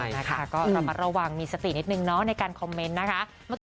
นะคะก็ระมัดระวังมีสตินิดนึงเนาะในการคอมเมนต์นะคะ